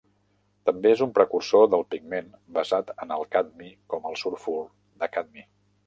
També és un precursor del pigment basat en el cadmi com el sulfur de cadmi.